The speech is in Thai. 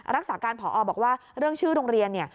รักษาการผอบอกว่าเรื่องชื่อโรงเรียนเนี่ย